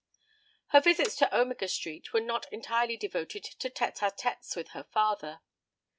Her visits to Omega Street were not entirely devoted to tête a têtes with her father.